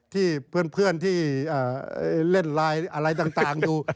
ที่เพื่อนที่เล่นไลน์อะไรต่างอยู่